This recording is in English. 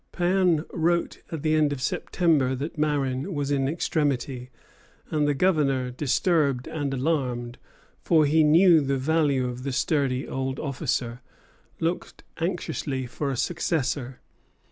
Péan wrote at the end of September that Marin was in extremity; and the Governor, disturbed and alarmed, for he knew the value of the sturdy old officer, looked anxiously for a successor.